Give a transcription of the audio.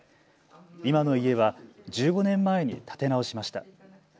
今の家は１５年前に建て直しました。